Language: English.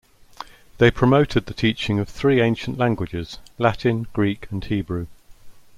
They promoted the teaching of the three ancient languages: Latin, Greek and Hebrew.